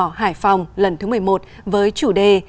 lễ hội hoa phượng đỏ hải phòng lần thứ một mươi một với chủ đề